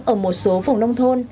ở một số vùng nông thôn